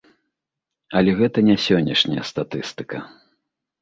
Але гэта не сённяшняя статыстыка.